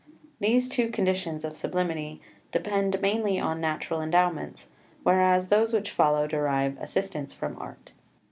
These two conditions of sublimity depend mainly on natural endowments, whereas those which follow derive assistance from Art.